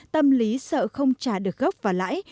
tâm lý sợ không trả được gốc và lãi